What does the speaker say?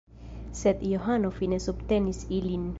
Sed Johano fine submetis ilin.